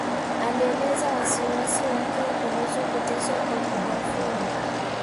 Alielezea wasiwasi wake kuhusu kuteswa kwa wafungwa